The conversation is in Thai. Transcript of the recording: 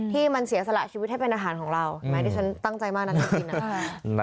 ที่มันเสียสละชีวิตให้เป็นอาหารของเราไหมที่ฉันตั้งใจมากนะจริงนะ